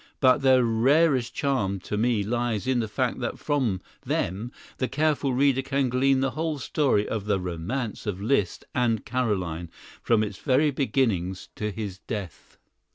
But their rarest charm to me lies in the fact that from them the careful reader can glean the whole story of the romance of Liszt and Carolyne, from its very beginnings to his death.